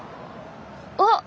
あっ！